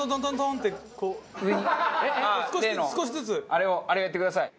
例のあれをあれやってください。